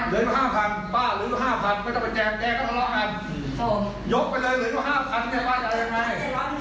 คือสรุปไม่ง่ายนะครับเงินไม่ว่าจะแสนเท่าไหร่ตอนเนี้ย